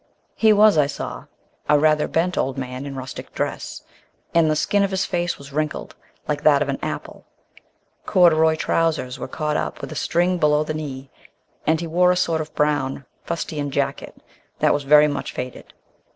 He was, I saw, a rather bent old man in rustic dress, and the skin of his face was wrinkled like that of an apple; corduroy trousers were caught up with a string below the knee, and he wore a sort of brown fustian jacket that was very much faded.